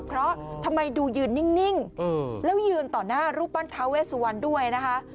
เพราะทำไมดูยืนนิ่งแล้วยืนต่อหน้ารูปปั้นท้าเวสุวรรณด้วยนะคะ